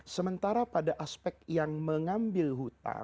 sementara pada aspek yang mengambil hutang